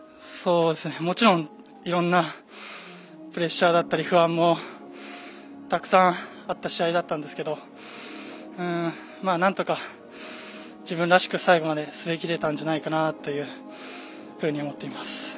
もちろん、いろんなプレッシャーだったり不安もたくさんあった試合だったんですけどなんとか自分らしく最後まで滑りきれたんじゃないかなと思っています。